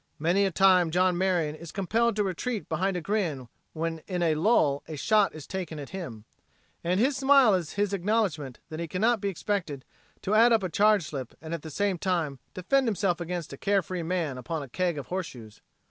Many a time John Marion is compelled to retreat behind a grin when in a lull "a shot" is taken at him, and his smile is his acknowledgment that he cannot be expected to add up a charge slip and at the same time defend himself against a care free man upon a keg of horseshoes.